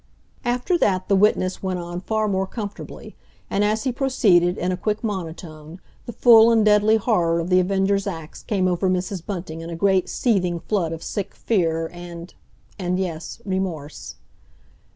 After that, the witness went on far more comfortably; and as he proceeded, in a quick monotone, the full and deadly horror of The Avenger's acts came over Mrs. Bunting in a great seething flood of sick fear and—and, yes, remorse.